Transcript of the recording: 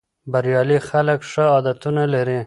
بریالي خلک ښه عادتونه لري.